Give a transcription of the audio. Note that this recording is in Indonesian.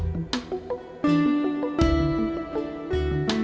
saya semua akan berdaulat